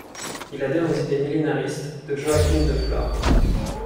Il adhère aux idées millénaristes de Joachim de Flore.